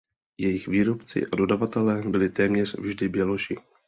Jejich výrobci a dodavatelé byli téměř vždy běloši.